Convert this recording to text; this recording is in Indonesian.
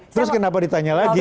terus kenapa ditanya lagi